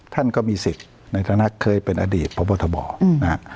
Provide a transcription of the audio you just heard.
ท่านก็มีสิทธิ์ในฐานะเคยเป็นอดีตพบทบนะฮะ